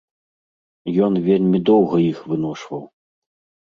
Ён вельмі доўга іх выношваў.